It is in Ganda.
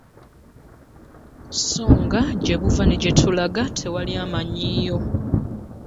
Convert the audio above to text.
Ssonga jebuva nejetulaga tewali amnyiyo .